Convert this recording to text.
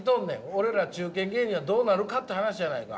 俺ら中堅芸人はどうなるかって話やないか！